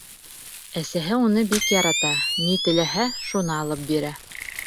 Әсәһе уны бик ярата, ни теләһә, шуны алып бирә.